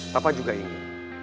papa juga ingin